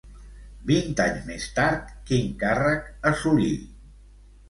Vint anys més tard, quin càrrec assolí?